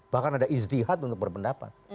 bahkan ada istihad untuk berpendapat